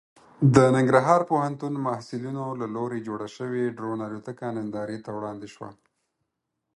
د ننګرهار پوهنتون محصلینو له لوري جوړه شوې ډرون الوتکه نندارې ته وړاندې شوه.